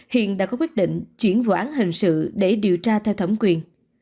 hiện đã có quyết định chuyển vụ án hình sự để điều tra theo thẩm quyền